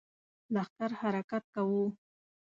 لښکر حرکت کوو.